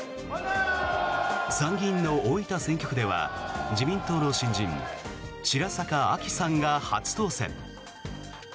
参議院の大分選挙区では自民党の新人白坂亜紀さんが初当選。